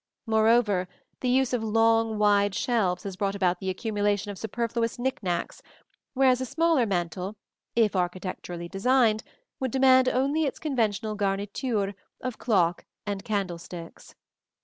Moreover, the use of long, wide shelves has brought about the accumulation of superfluous knick knacks, whereas a smaller mantel, if architecturally designed, would demand only its conventional garniture of clock and candlesticks.